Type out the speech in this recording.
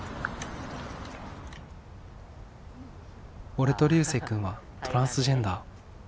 俺と龍星君はトランスジェンダー。